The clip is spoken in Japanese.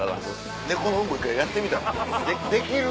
猫のうんこ一回やってみたらできる？